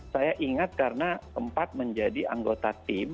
saya ingat karena empat menjadi anggota tim